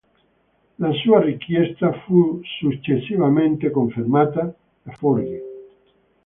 La sua richiesta fu successivamente confermata da Forge.